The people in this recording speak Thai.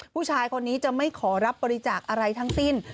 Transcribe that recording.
ผู้ชายคนนี้จะไม่ขอรับบริจาคอะไรทั้งสิ้น